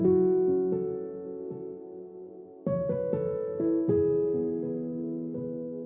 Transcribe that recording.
อยู่นี่